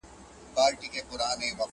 چي پرون مي د نيکونو وو، نن زما دی!!!!!